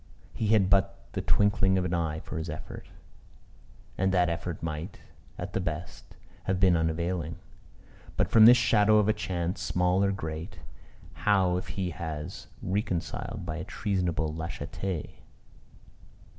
He had but the twinkling of an eye for his effort, and that effort might, at the best, have been unavailing; but from this shadow of a chance, small or great, how if he has recoiled by a treasonable lâcheté?